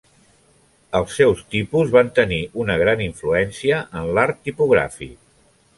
Els seus tipus van tenir una gran influència en l'art tipogràfic.